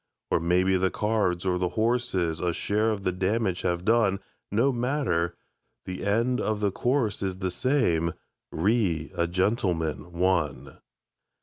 Or maybe the cards or the horses A share of the damage have done No matter; the end of the course is The same: "Re a Gentleman, One".